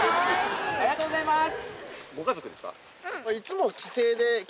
ありがとうございます！